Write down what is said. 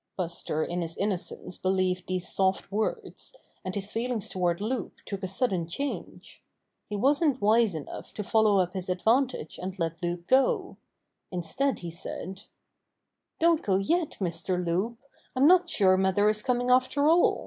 Buster in his innocence believed these soft words, and his feelings toward Loup took a sudden change. He wasn't wise enough to follow up his advantage and let Loup go. In stead he said: ''Don't go yet, Mr. Loup. I'm not sure mother is coming after all.